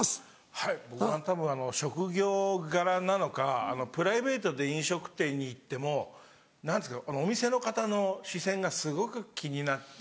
はい僕はたぶん職業柄なのかプライベートで飲食店に行っても何ていうんですかお店の方の視線がすごく気になって。